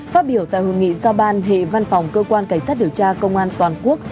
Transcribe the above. phát biểu tại hội nghị giao ban hệ văn phòng cơ quan cảnh sát điều tra công an toàn quốc